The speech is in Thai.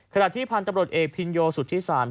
ขณะที่พันธุ์ตำรวจเอกพินโยสุธิศาล